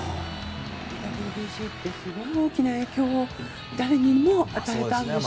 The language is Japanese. ＷＢＣってすごい大きな影響を誰にも与えたんでしょうね。